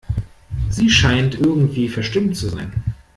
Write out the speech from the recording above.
Sie scheint irgendwie verstimmt zu sein.